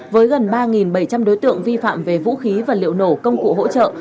với gần ba bảy trăm linh đối tượng vi phạm về vũ khí và liệu nổ công cụ hỗ trợ